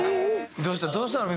どうしたの？